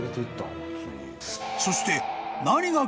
［そして］